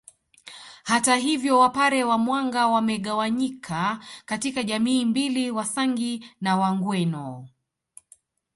Hata hivyo Wapare wa Mwanga wamegawanyika katika jamii mbili Wasangi na Wagweno